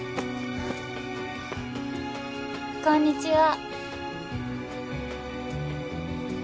こんにちは。